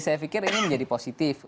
saya pikir ini menjadi positif